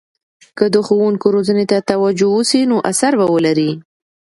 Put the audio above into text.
که د ښوونکو روزنې ته توجه وسي، نو اثر به ولري.